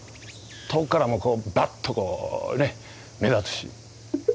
遠くからもバッとこうね目立つし。